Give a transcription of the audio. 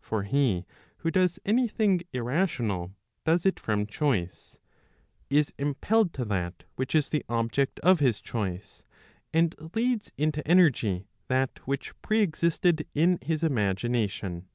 For he who does any thing irrational, does it from choice, is impelled to that which is the object of his choice, and leads into energy that which pre existed m his imagination.